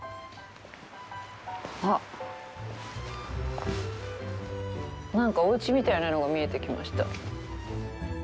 あっ、なんかおうちみたいなのが見えてきました。